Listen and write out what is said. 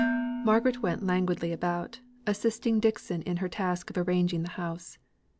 Margaret went languidly about, assisting Dixon in her task of arranging the house.